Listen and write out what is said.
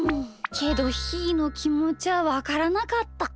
けどひーのきもちはわからなかった。